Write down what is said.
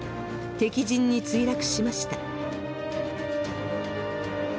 敵陣に墜落しました。